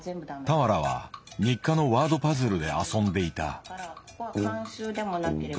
俵は日課のワードパズルで遊んでいた。